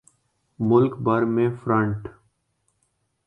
ملک بھر میں فرنٹ